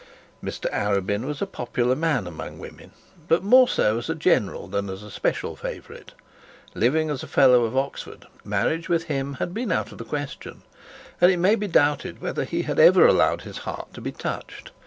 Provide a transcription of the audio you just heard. Mr Arabin was a popular man among women, but more so as a general than a special favourite. Living as a fellow at Oxford, marriage with him had been out of the question, and it may be doubted whether he had ever allowed his heart to be touched.